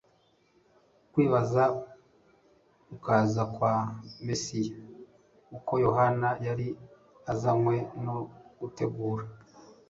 kwibaza ukuza kwa Mesiya uko Yohana yari azanywe no gutegura.